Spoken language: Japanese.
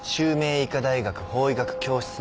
医科大学法医学教室の助教。